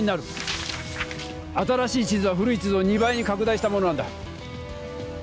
新しい地図は古い地図を２倍に拡大したものなんだ。